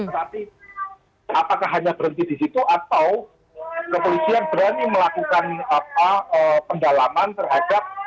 tetapi apakah hanya berhenti di situ atau kepolisian berani melakukan pendalaman terhadap